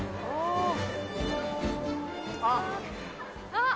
あっ。